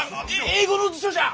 英語の辞書じゃ！